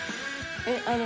えっあの。